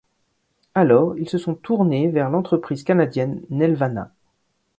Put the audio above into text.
Alors, ils se sont tournés vers l'entreprise canadienne Nelvana.